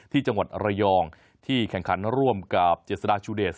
ที่จังหวัดระยองที่แข่งขันร่วมกับเจษฎาชูเดช